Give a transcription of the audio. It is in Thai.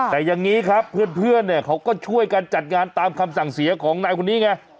แต่อย่างนี้ครับเพื่อนเนี่ยเขาก็ช่วยกันจัดงานตามคำสั่งเสียของนายคนนี้ไง